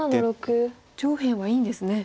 上辺はいいんですね。